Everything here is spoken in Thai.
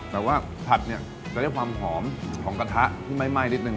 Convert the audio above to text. แต่ว่าผัดเนี่ยจะได้ความหอมของกระทะที่ไหม้นิดนึง